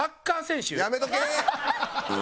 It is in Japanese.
やめとけー！